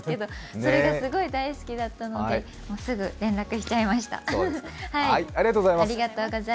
それがすごい大好きだったのですぐ連絡しちゃいました。